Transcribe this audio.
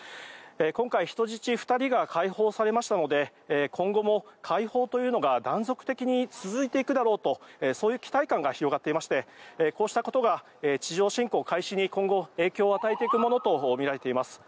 今回、人質２人が解放されましたので今後も解放というのが断続的に続くだろうとそういう期待感が広がっていましてこうしたことが地上侵攻開始に今後、影響を与えていくものとみられています。